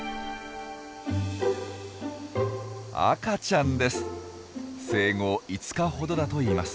赤ちゃんです！